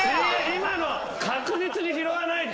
今の確実に拾わないと！